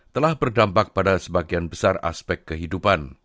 telah berdampak pada sebagian besar aspek kehidupan